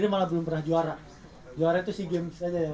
setelah kita udah bisa juara olimpiade